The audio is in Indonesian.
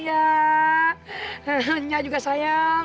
nyanya juga sayang